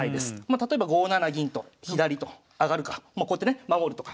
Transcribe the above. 例えば５七銀と左と上かまあこうやってね守るとか。